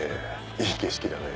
いい景色だね